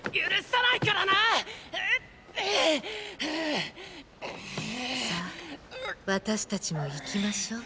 さあ私達も行きましょう。